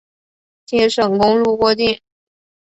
京沈公路过境。